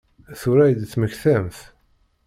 Tura i d-temmektamt?